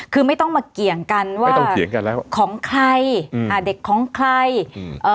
คือไม่ต้องมาเกี่ยงกันว่าไม่ต้องเถียงกันแล้วของใครอืมอ่าเด็กของใครอืมเอ่อ